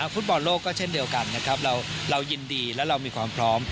ฟุตบอลโลกก็เช่นเดียวกันนะครับเรายินดีและเรามีความพร้อม